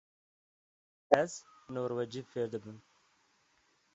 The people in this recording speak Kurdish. Ez norwecî fêr dibim.